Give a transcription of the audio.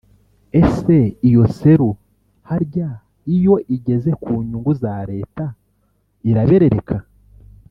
Ese iyo seru harya iyo igeze ku nyungu za Leta iraberereka